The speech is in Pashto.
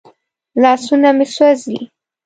لاسونه مې سوځي.